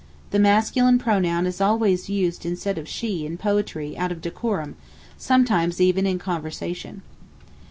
The masculine pronoun is always used instead of she in poetry out of decorum—sometimes even in conversation.